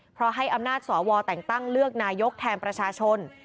เพราะให้อำนาจสวแต่งตั้งเลือกนายกแทนประชาชน